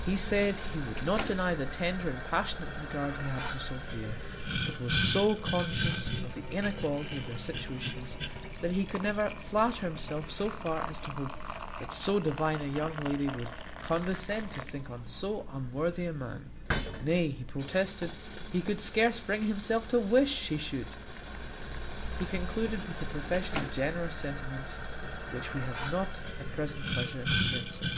He said he would not deny the tender and passionate regard he had for Sophia; but was so conscious of the inequality of their situations, that he could never flatter himself so far as to hope that so divine a young lady would condescend to think on so unworthy a man; nay, he protested, he could scarce bring himself to wish she should. He concluded with a profession of generous sentiments, which we have not at present leisure to insert.